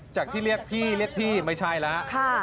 จากที่เรียกพี่เรียกพี่ไม่ใช่แล้ว